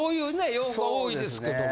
洋服が多いですけども。